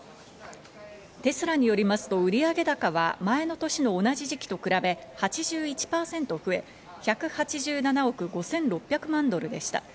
テスラによりますと売上高は前の年の同じ時期と比べ８１％増え、１８７億５６００万ドルでした。